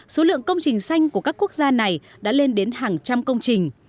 số lượng công trình xanh của các quốc gia này đã lên đến hàng trăm công trình